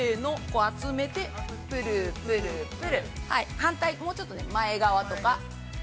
反対、もうちょっと前側とか。